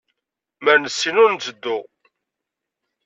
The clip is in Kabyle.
Mer nessin, ur netteddu.